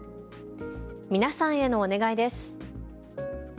皆さんへのお願いです。